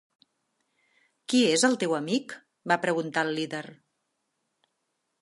"Qui és el teu amic?" va preguntar el líder.